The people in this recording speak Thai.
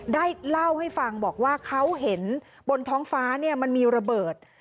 ได้เล่าให้ฟังบอกว่าเขาเห็นบนท้องฟ้าเนี่ยมันมีระเบิด